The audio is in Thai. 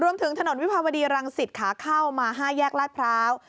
รวมถึงถนนวิภาวดีรังศิษย์ค้าเข้ามา๕แยกลาดพร้าว